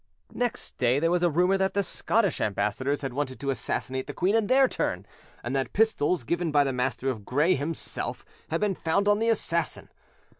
Next day there was a rumour that the Scotch ambassadors had wanted to assassinate the queen in their turn, and that pistols, given by the Master of Gray himself, had been found on the assassin.